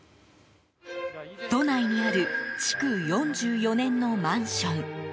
都内にある築４４年のマンション。